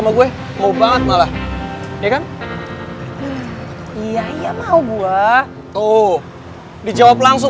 tuh tarik tarik lagi